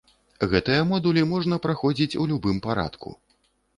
Гэтыя модулі можна праходзіць у любым парадку.